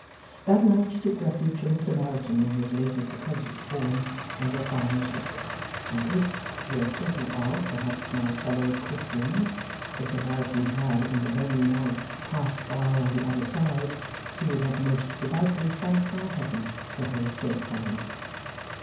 That night she took refuge from the Samaritan in his latest accredited form, under a farmer's rick; and if worth thinking of, perhaps, my fellow Christians the Samaritan had in the lonely night, 'passed by on the other side', she would have most devoutly thanked High Heaven for her escape from him.